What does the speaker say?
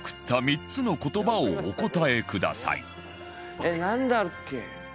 えっなんだっけ？